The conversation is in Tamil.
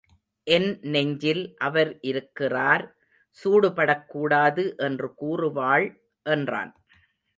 என் நெஞ்சில் அவர் இருக்கிறார் சூடு படக்கூடாது என்று கூறுவாள் என்றான்.